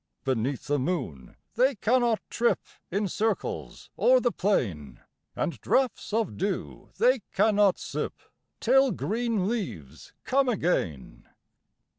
Beneath the moon they cannot trip In circles o'er the plain ; And draughts of dew they cannot sip, Till green leaves come again.